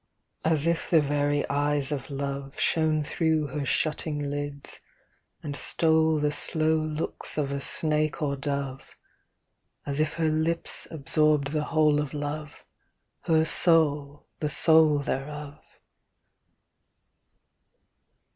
IV As if the very eyes of love Shone through her shutting lids, and stole The slow looks of a snake or dove; As if her lips absorbed the whole Of love, her soul the soul thereof.